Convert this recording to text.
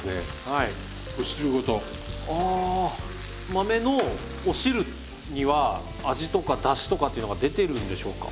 豆のお汁には味とかだしとかっていうのが出てるんでしょうか？